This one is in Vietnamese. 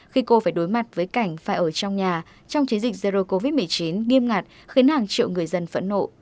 khi cô phải đối mặt với cảnh phải ở trong nhà trong chiến dịch zero covid một mươi chín nghiêm ngặt khiến hàng triệu người dân phẫn nộ